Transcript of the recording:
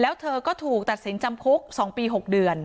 แล้วเธอก็ถูกตัดสินจำคุก๒ปี๖เดือน